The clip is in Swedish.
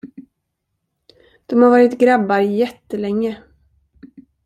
De har varit grabbar jättelänge.